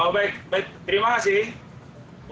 baik terima kasih